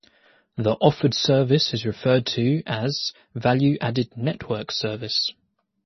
The offered service is referred to as "value-added network service".